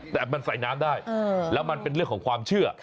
แต่มันใส่น้ำได้แล้วมันเป็นเรื่องของความเชื่อ